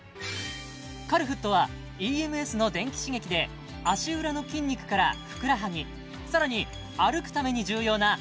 カルフットはＥＭＳの電気刺激で足裏の筋肉からふくらはぎさらに歩くために重要なお尻や太ももを